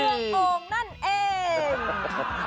เมืองโกงนั่นเอง